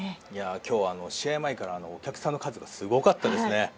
今日は試合前からお客さんの数がすごかったですね。